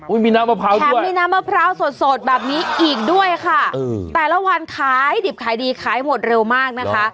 มีน้ำมะพร้าวแถมมีน้ำมะพร้าวสดสดแบบนี้อีกด้วยค่ะแต่ละวันขายดิบขายดีขายหมดเร็วมากนะคะ